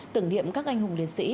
tưởng niệm các anh hùng liệt sĩ